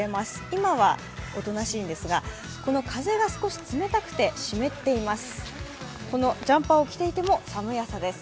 今はおとなしいんですが、この風が少し冷たくて湿っています。